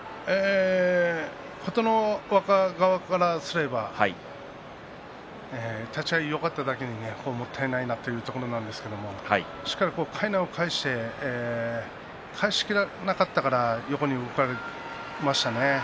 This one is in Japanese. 琴ノ若側からすれば立ち合いよかっただけにもったいないなというところなんですけれどしっかりとかいなを返して返しきれなかったから横に動かれましたね。